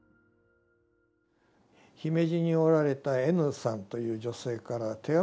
姫路におられたＮさんという女性から手紙が来た。